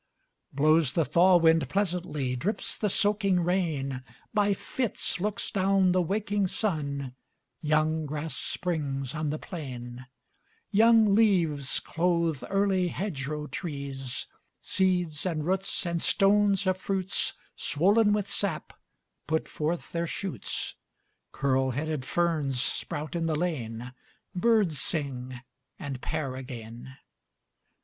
Blows the thaw wind pleasantly, Drips the soaking rain, By fits looks down the waking sun: Young grass springs on the plain; Young leaves clothe early hedgerow trees; Seeds, and roots, and stones of fruits, Swollen with sap, put forth their shoots; Curled headed ferns sprout in the lane; Birds sing and pair again.